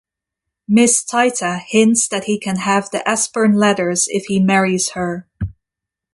Miss Tita hints that he can have the Aspern letters if he marries her.